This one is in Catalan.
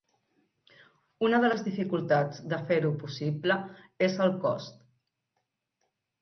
Una de les dificultats de fer-ho possible és el cost.